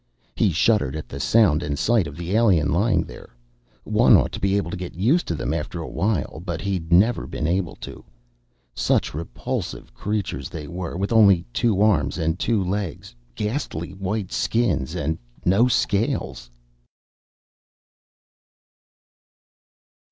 He shuddered at the sound and sight of the alien lying there. One ought to be able to get used to them after a while, but he'd never been able to. Such repulsive creatures they were, with only two arms and two legs, ghastly white skins and no scales.